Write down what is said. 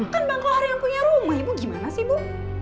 kan bang kohar yang punya rumah ibu gimana sih bu